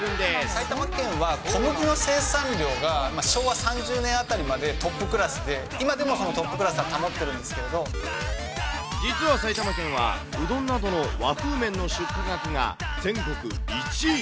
埼玉県は小麦の生産量が昭和３０年あたりまでトップクラスで、今でもそのトップクラスは保って実は埼玉県は、うどんなどの和風めんの出荷額が全国１位。